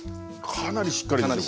かなりしっかりですよ